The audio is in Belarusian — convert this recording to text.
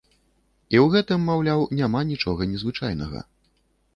І ў гэтым, маўляў, няма нічога незвычайнага.